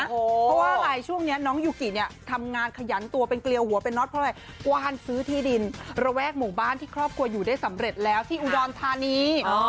เพราะว่าอะไรช่วงนี้น้องยูกิเนี่ยทำงานขยันตัวเป็นเกลียวหัวเป็นน็อตเพราะอะไรกว้านซื้อที่ดินระแวกหมู่บ้านที่ครอบครัวอยู่ได้สำเร็จแล้วที่อุดรธานี